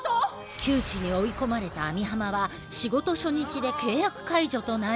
窮地に追い込まれた網浜は仕事初日で契約解除となり。